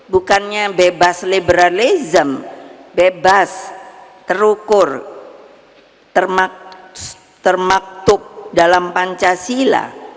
bukannya bebas liberalism bebas terukur termaktub dalam pancasila